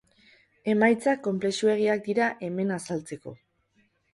Emaitzak konplexuegiak dira hemen azaltzeko.